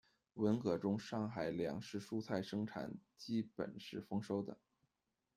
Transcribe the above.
文革中上海粮食蔬菜生产基本是丰收的。